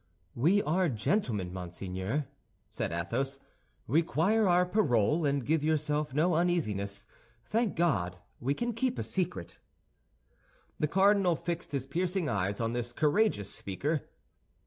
"We are gentlemen, monseigneur," said Athos; "require our parole, and give yourself no uneasiness. Thank God, we can keep a secret." The cardinal fixed his piercing eyes on this courageous speaker.